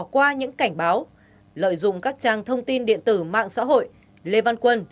qua những cảnh báo lợi dụng các trang thông tin điện tử mạng xã hội lê văn quân